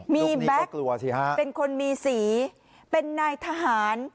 มีแบ็คเป็นคนมีสีเป็นนายทหาร